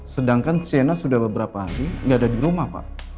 sedangkan siena sudah beberapa hari nggak ada di rumah pak